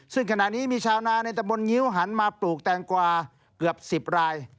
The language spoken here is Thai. ซึ่งขณะนี้มีชาวนาในตะบนงิ้วหันมาปลูกแตงกวาเกือบ๑๐ราย